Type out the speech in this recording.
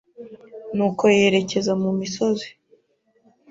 nuko yerekeza mumisozi.